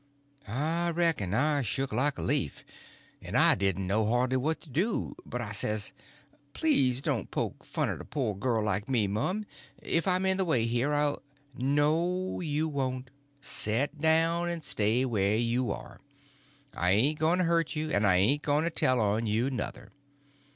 I reckon I shook like a leaf, and I didn't know hardly what to do. But I says: "Please to don't poke fun at a poor girl like me, mum. If I'm in the way here, I'll—" "No, you won't. Set down and stay where you are. I ain't going to hurt you, and I ain't going to tell on you, nuther.